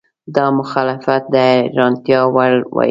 دا مخالفت د حیرانتیا وړ وای.